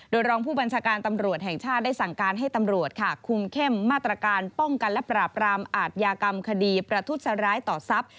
โดยรองผู้บัญชาการตำรวจแห่งชาติได้สั่งการให้ตำรวจค่ะคุมเข้มมาตรการป้องกันและปราบรามอาทยากรรมคดีประทุษร้ายต่อทรัพย์